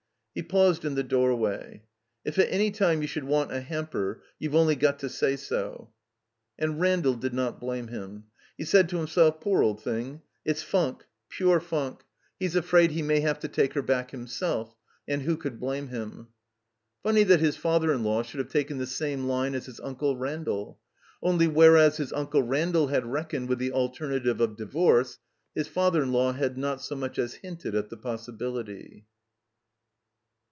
He paused in the doorway. "If at any time you should want a hamper, youVe only got to say so." And Randall did not blame him. He said to him self: "Poor old thing. It's funk — ^pure f imk. He's 289 THE COMBINED MAZE afraid he may have to take her back himself. And who could blame him?" Fumiy that his father in law shotild have taken the same line as his Uncle Randall. Only, whereas his Uncle Randall had reckoned with the alternative of divorce, his father in law had not so much as hinted at the possibility.